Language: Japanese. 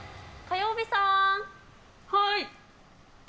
はい。